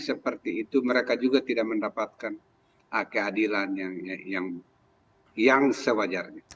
seperti itu mereka juga tidak mendapatkan keadilan yang sewajarnya